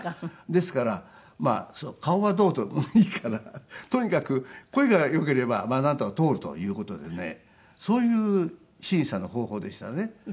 ですから顔はどうでもいいからとにかく声が良ければなんとか通るという事でねそういう審査の方法でしたね。